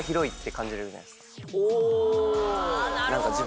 お。